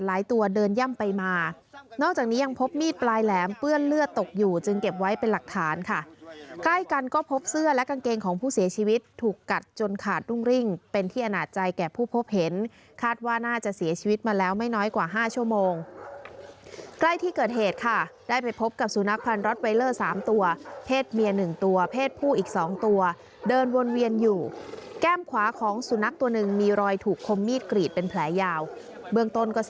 เลือดตกอยู่จึงเก็บไว้เป็นหลักฐานค่ะใกล้กันก็พบเสื้อและกางเกงของผู้เสียชีวิตถูกกัดจนขาดรุ่งริ่งเป็นที่อนาจใจแก่ผู้พบเห็นคาดว่าน่าจะเสียชีวิตมาแล้วไม่น้อยกว่าห้าชั่วโมงใกล้ที่เกิดเหตุค่ะได้ไปพบกับสุนัขพันรถไวเลอร์สามตัวเพศเมียหนึ่งตัวเพศผู้อีกสองตัวเดินวนเ